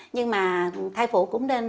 nhưng mà thai phụ cũng nên